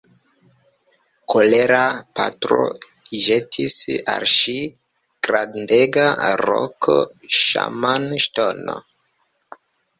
Kolera patro ĵetis al ŝi grandega roko Ŝaman-ŝtono.